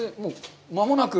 間もなく。